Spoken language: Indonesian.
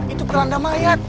itu keranda mayat